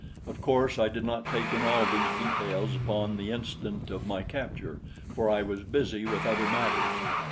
Of course I did not take in all these details upon the instant of my capture, for I was busy with other matters.